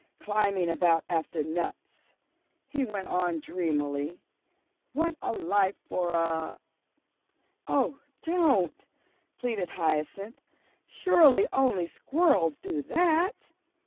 Climbing about after nuts," he went on dreamily, "what a life for a " "Oh, don't!" pleaded Hyacinth. "Surely only squirrels do that?"